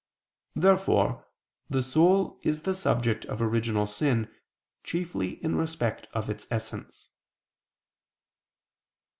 Therefore the soul is the subject of original sin chiefly in respect of its essence.